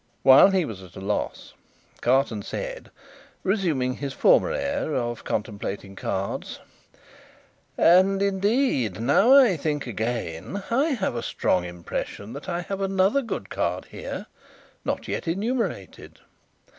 While he was at a loss, Carton said, resuming his former air of contemplating cards: "And indeed, now I think again, I have a strong impression that I have another good card here, not yet enumerated.